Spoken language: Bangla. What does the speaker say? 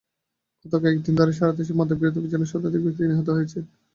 গত কয়েক দিন ধরে সারা দেশে মাদকবিরোধী অভিযানে শতাধিক ব্যক্তি নিহত হয়েছেন।